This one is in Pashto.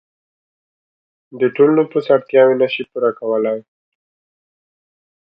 د ټول نفوس اړتیاوې نشي پوره کولای.